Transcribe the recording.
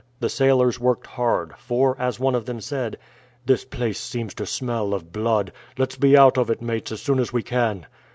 The sailors worked hard; for, as one of them said, "This place seems to smell of blood let's be out of it, mates, as soon as we can."